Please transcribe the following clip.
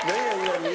何？